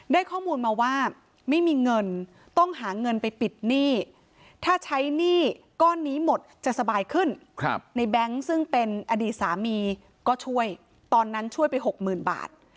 ได้ข้อมูลมาว่าไม่มีเงินต้องหาเงินไปปิดหนี้ถ้าใช้หนี้ก้อนนี้หมดจะสบายขึ้นในแบงค์ซึ่งเป็นอดีตสามีก็ช่วยตอนนั้นช่วยไป๖๐๐๐บาท